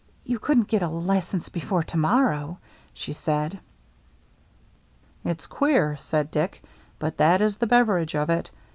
"You couldn't get a license before to morrow," she said. "It's queer," said Dick, "but that is the Beveridge of it.